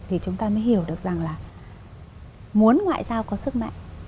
thì chúng ta mới hiểu được rằng là muốn ngoại giao có sức mạnh